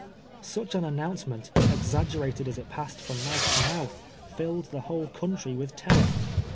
Such an announcement, exaggerated as it passed from mouth to mouth, tilled the whole country Mith terror.